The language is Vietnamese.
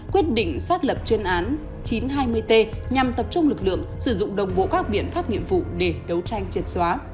quyết định xác lập chuyên án chín trăm hai mươi t nhằm tập trung lực lượng sử dụng đồng bộ các biện pháp nghiệp vụ để đấu tranh triệt xóa